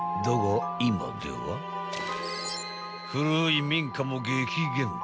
［だが今では古い民家も激減。